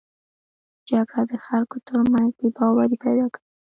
جګړه د خلکو تر منځ بې باوري پیدا کوي